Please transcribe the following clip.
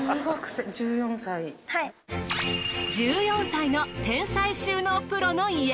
１４歳の天才収納プロの家。